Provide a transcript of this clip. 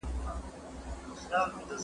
زما د پوهې له مخې، ټولنپوهنه یوه اړتیا ده.